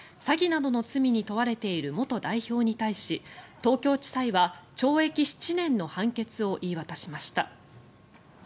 詐欺などの罪に問われている元代表に対し東京地裁は懲役７年の判決を言い渡しました。